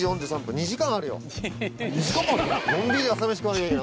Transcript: ２時間ある。